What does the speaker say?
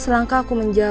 selangkah aku menjauh